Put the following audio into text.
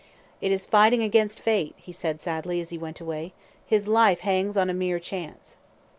"It is fighting against Fate," he said, sadly, as he went away; "his life hangs on a mere chance."